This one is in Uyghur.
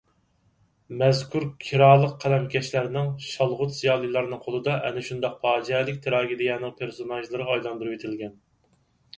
مەزكۇر كىرالىق قەلەمكەشلەرنىڭ، شالغۇت زىيالىيلارنىڭ قولىدا ئەنە شۇنداق پاجىئەلىك تىراگېدىيەنىڭ پېرسوناژلىرىغا ئايلاندۇرۇۋېتىلگەن.